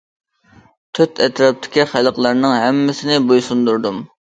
تۆت ئەتراپتىكى خەلقلەرنىڭ ھەممىسىنى بويسۇندۇردۇم.